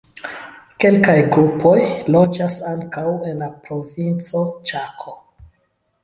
Kelkaj grupoj loĝas ankaŭ en la provinco Ĉako.